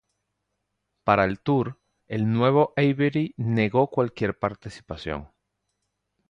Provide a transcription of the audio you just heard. Para el tour, de nuevo Avery negó cualquier participación.